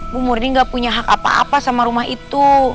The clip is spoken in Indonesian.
bu murni gak punya hak apa apa sama rumah itu